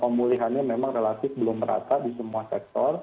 jadi pemulihan nya memang relatif belum rata di semua sektor